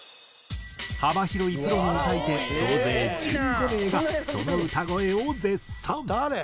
幅広いプロの歌い手総勢１５名がその歌声を絶賛！